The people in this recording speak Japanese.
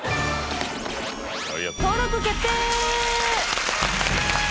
登録決定！